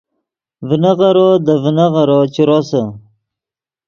ڤینغیرو دے ڤینغیرو چے روسے